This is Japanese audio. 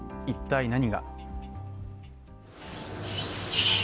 一体、何が？